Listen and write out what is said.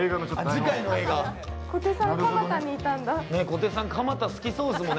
小手さん、蒲田にいたんだ。